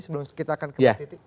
sebelum kita ke mbak titi